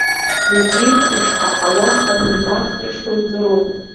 Зегьы ишҳаҳауа аминауаҭра шьҭоуҵароуп.